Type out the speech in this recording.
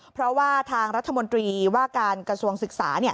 เพราะว่าทางรัฐมนตรีว่าการกระทรวงศึกษา